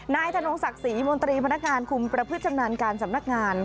นายธนวงศักดิ์ศรีมณฑรีพนักงานคุมประพฤติชำนาญการสรรพงศ์พนักงาน